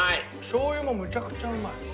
醤油もめちゃくちゃうまい。